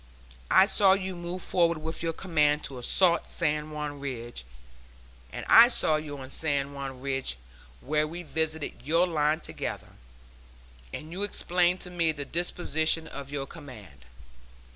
I saw you move forward with your command to assault San Juan Ridge, and I saw you on San Juan Ridge, where we visited your line together, and you explained to me the disposition of your command.